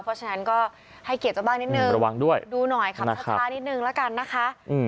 เพราะฉะนั้นก็ให้เกียรติเจ้าบ้านนิดนึงระวังด้วยดูหน่อยขับช้านิดนึงแล้วกันนะคะ